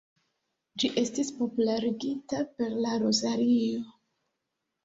Ĝi estis popularigita per la rozario.